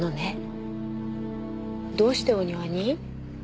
どうしてお庭に？